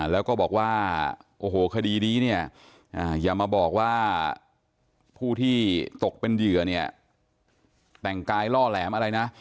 แล้วก็บอกว่าโอ้โหคดีนี้เนี่ยอย่ามาบอกว่าผู้ที่ตกเป็นเหยื่อเนี่ยแต่งกายล่อแหลมอะไรนะ